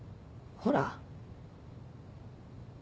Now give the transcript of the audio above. ほら？